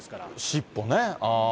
尻尾ね。